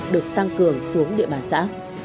được tăng cường xuống địa bàn xã